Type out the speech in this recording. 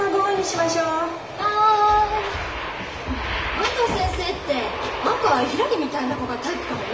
安藤先生って案外ひらりみたいな子がタイプかもね。